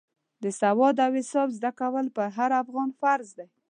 د سواد او حساب زده کول پر هر افغان فرض دی.